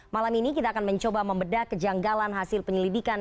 malam ini kita akan mencoba membedah kejanggalan hasil penyelidikan